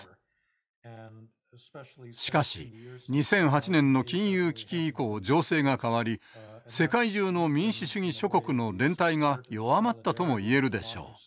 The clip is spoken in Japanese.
しかし２００８年の金融危機以降情勢が変わり世界中の民主主義諸国の連帯が弱まったとも言えるでしょう。